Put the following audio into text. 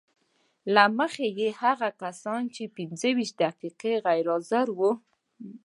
له مخې یې هغه کسان چې پنځه ویشت دقیقې غیر حاضر وو